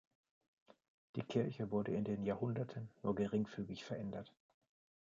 Die Kirche wurde in den Jahrhunderten nur geringfügig verändert.